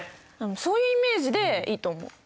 そういうイメージでいいと思う。